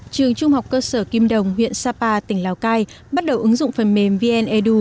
trường trung học cơ sở kim đồng huyện sapa tỉnh lào cai bắt đầu ứng dụng phần mềm vnedu